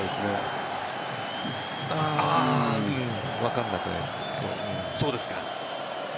分かんなくないですね。